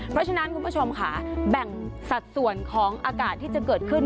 เพราะฉะนั้นคุณผู้ชมค่ะแบ่งสัดส่วนของอากาศที่จะเกิดขึ้น